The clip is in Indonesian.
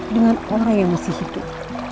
dengan orang yang masih hidup